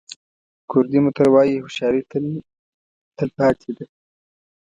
کوردي متل وایي هوښیاري تل پاتې ده.